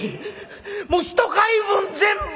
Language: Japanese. もう１貝分全部！